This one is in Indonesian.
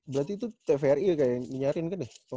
berarti itu tvri yang nyariin kan ya